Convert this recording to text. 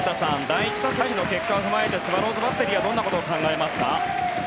第１打席の結果を踏まえてスワローズバッテリーはどんなことを考えますか。